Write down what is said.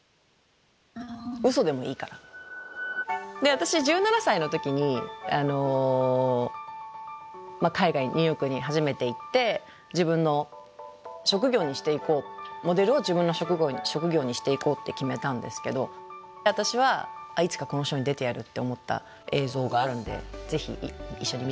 私１７歳の時に海外ニューヨークに初めて行って自分の職業にしていこうモデルを自分の職業にしていこうって決めたんですけど私はいつかこのショーに出てやるって思った映像があるんでぜひ一緒に見て下さい。